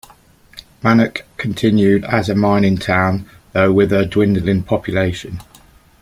Bannack continued as a mining town, though with a dwindling population.